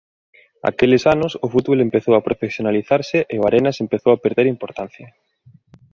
Aqueles anos o fútbol empezou a profesionalizarse e o Arenas empezou a perder importancia.